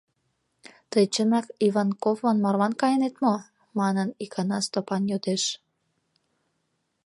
— Тый чынак Иванковлан марлан кайынет мо? — манын, икана Стопан йодеш.